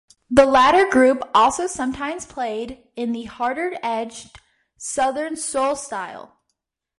The latter group also sometimes played in the harder-edged Southern soul style.